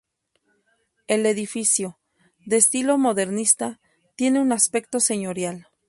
El edificio, de estilo modernista, tiene un aspecto señorial.